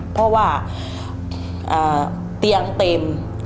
พอว่าเตียงเต็ม